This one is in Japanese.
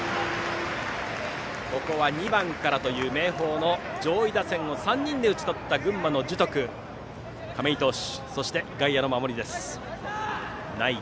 ２番からという明豊の上位打線を３人で打ち取った群馬の樹徳亀井投手と内外野の守りです。